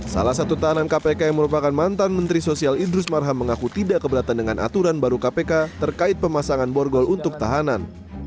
salah satu tahanan kpk yang merupakan mantan menteri sosial idrus marham mengaku tidak keberatan dengan aturan baru kpk terkait pemasangan borgol untuk tahanan